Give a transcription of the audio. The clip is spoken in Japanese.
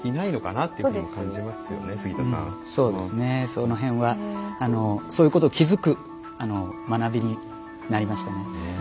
その辺はそういうことを気付く学びになりましたね。